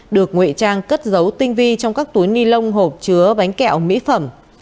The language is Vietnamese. được nguyễn trang cất dấu tinh vi trong các túi ni lông hộp chứa bánh kẹo mỹ phẩm